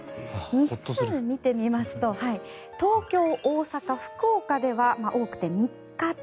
日数を見てみますと東京、大阪、福岡では多くて３日と。